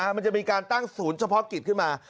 มันจะมีการตั้งศูนย์เฉพาะกิจขึ้นมา